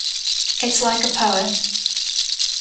It's like a poem.